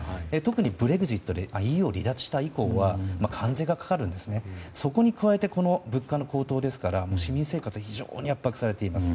ブレグジットでＥＵを離脱した以降は関税がかかりそれに加えて物価の高騰ですから市民生活は圧迫されています。